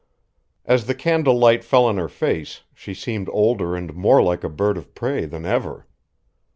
As the candlelight fell on her face, she seemed older and more like a bird of prey than ever.